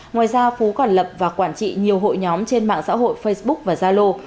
ngoài ra phú còn lập và quản trị nhiều hội nhóm trên mạng xã hội facebook và zalo